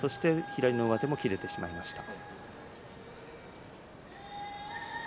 左の上手も切れてしまいました。